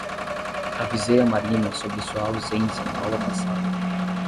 Avisei à Marina sobre sua ausência na aula passada